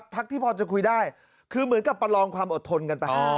พักที่พอจะคุยได้คือเหมือนกับประลองความอดทนกันไป